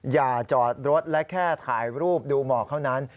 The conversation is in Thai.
อย่าจอดรถและแค่ถ่ายรูปดูหมอกเท่านั้น